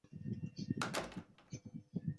元朝至元十四年改为安丰路。